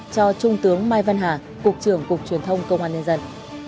cho trung tướng mai văn hà cục trưởng cục truyền thông công an nhân dân